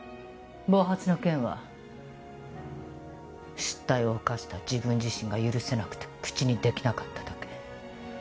暴発の件は失態を犯した自分自身が許せなくて口にできなかっただけ。